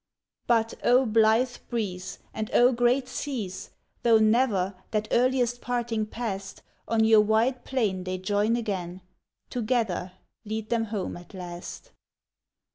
But O blithe breeze! and O great seas! Though ne'er, that earliest parting past, On your wide plain they join again, Together lead them home at last.